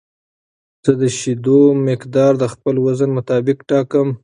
زه د شیدو مقدار د خپل وزن مطابق ټاکم.